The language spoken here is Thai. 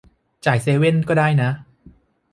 จ่ายเซเว่นก็ได้นะ